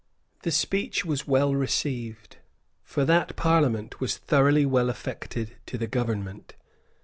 The speech was well received; for that Parliament was thoroughly well affected to the Government.